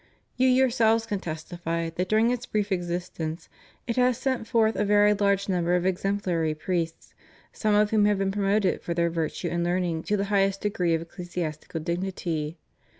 You yourselves can testify that during its brief existence it has sent forth a very large number of exemplary priests, some of whom have been promoted for their virtue and learning to the highest degrees of ecclesiastical dignity.